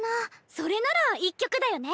それなら１曲だよね！